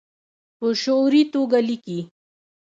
په شعوري توګه لیکي